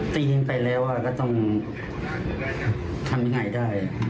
ตีกันไปแล้วก็ต้องทำยังไงได้